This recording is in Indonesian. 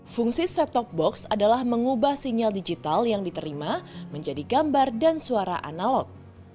fungsi set top box adalah mengubah sinyal digital yang diterima menjadi gambar dan suara analog